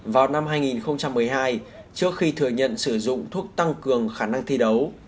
vào năm hai nghìn một mươi hai trước khi thừa nhận sử dụng thuốc tăng cường khả năng thi đấu